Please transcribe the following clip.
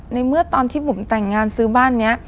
ในเมื่อตอนที่บุ๋มแต่งงานซื้อบ้านนี้